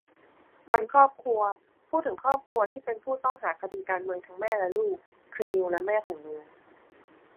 วันครอบครัว พูดถึงครอบครัวที่เป็นผู้ต้องหาคดีการเมืองทั้งแม่และลูก คือ นิวและแม่ของนิว